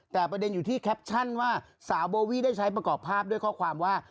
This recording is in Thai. แต่ประเด็นอยู่ที่แคปชั่นว่าสาวโบวี่ได้ใช้ประกอบภาพด้วยข้อความว่า